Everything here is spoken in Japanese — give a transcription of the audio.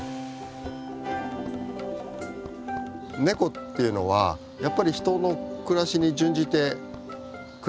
ネコっていうのはやっぱり人の暮らしに準じて暮らしてます。